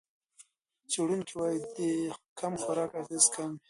څېړونکي وايي د کم خوراک اغېز کم دی.